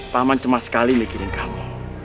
paman cuma sekali bikinin kamu